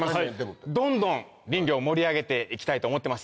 どんどん林業盛り上げていきたいと思ってます。